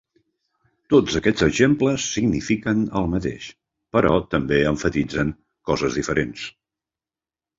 Tots aquests exemples signifiquen el mateix, però també emfatitzen coses diferents.